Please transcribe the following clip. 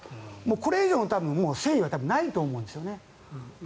これ以上の誠意はないと思うんですよね。